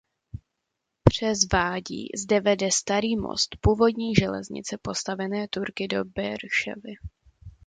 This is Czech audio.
Přes vádí zde vede starý most původní železnice postavené Turky do Beerševy.